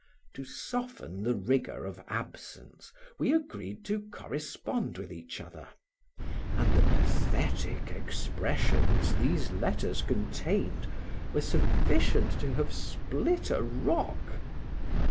To soften the rigor of absence, we agreed to correspond with each other, and the pathetic expressions these letters contained were sufficient to have split a rock.